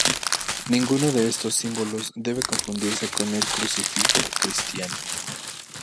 Ninguno de estos símbolos debe confundirse con el crucifijo cristiano.